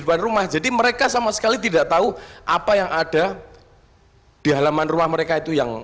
bukan rumah jadi mereka sama sekali tidak tahu apa yang ada di halaman rumah mereka itu yang